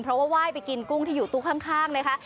เพราะว่าไหว้ไปกินกุ้งที่อยู่ตู้ข้างนะคะ